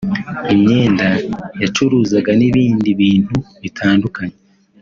imyenda yacuruzaga n’ibindi bintu bitandukanye